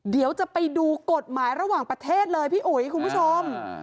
เดี๋ยวจะไปดูกฎหมายระหว่างประเทศเลยพี่อุ๋ยคุณผู้ชม